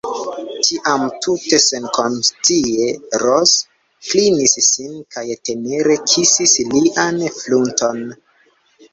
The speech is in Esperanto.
Tiam tute senkonscie Ros klinis sin kaj tenere kisis lian frunton.